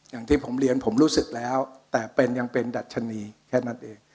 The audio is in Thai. อย่างที่ผมเรียนผมรู้สึกแล้วแต่เป็นยังเป็นดัชนีแค่นั้นเอง